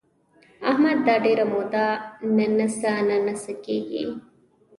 احمد دا ډېره موده ننڅه ننڅه کېږي.